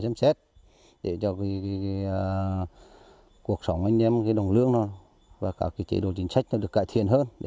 chăm sóc để cho vì cuộc sống anh em cái đồng lương và cả cái chế độ chính sách được cải thiện hơn để